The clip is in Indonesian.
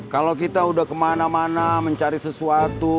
kalau kita udah kemana mana mencari sesuatu